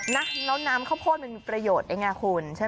แล้วน้ำข้าวโพดมันมีประโยชน์ไงคุณ